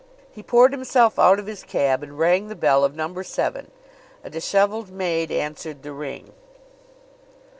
He poured himself out of his cab and rang the bell of Number Seven. A disheveled maid answered the ring.